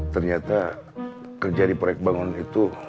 ternyata kerja di proyek bangunan itu